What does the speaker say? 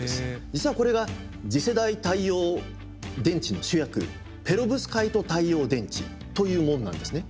実はこれが次世代太陽電池の主役ペロブスカイト太陽電池というものなんですね。